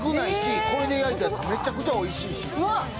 これで焼いたやつ、めちゃくちゃおいしいし。